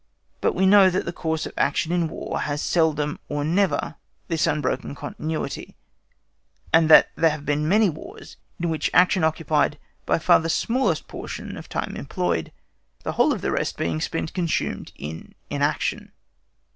But we know that the course of action in War has seldom or never this unbroken continuity, and that there have been many Wars in which action occupied by far the smallest portion of time employed, the whole of the rest being consumed in inaction.